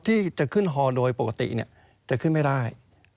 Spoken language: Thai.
ที่จะขึ้นฮอโดยปกติจะขึ้นไม่ได้